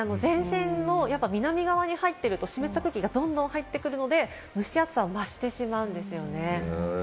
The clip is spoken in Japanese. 前線の南側に入っていると、湿った空気がどんどん入ってくるので、蒸し暑さが増してしまうんですよね。